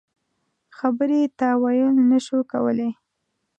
خبرې تاویل نه شو کولای.